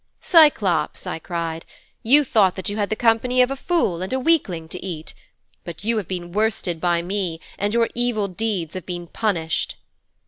"Cyclops," I cried, "you thought that you had the company of a fool and a weakling to eat. But you have been worsted by me, and your evil deeds have been punished."'